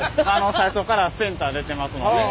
最初からセンター出てますので。